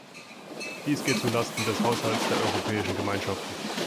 Dies geht zu Lasten des Haushalts der Europäischen Gemeinschaften.